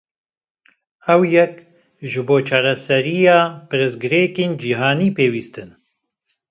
Ew yek, ji bo çareseriya pirsgirêkên cîhanî pêwîst in.